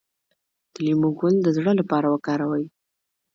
د لیمو ګل د زړه لپاره وکاروئ